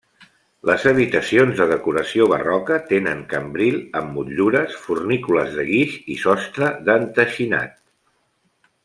Les habitacions de decoració barroca tenen cambril amb motllures, fornícules de guix i sostre d'enteixinat.